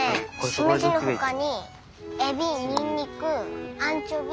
しめじのほかにエビにんにくアンチョビ。